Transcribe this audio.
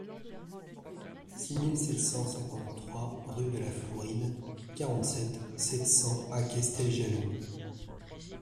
six mille sept cent cinquante-trois rue de la Flouride, quarante-sept, sept cents à Casteljaloux